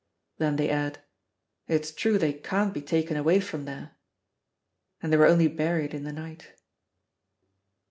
Then they add, "It's true they can't be taken away from there." And they were only buried in the night.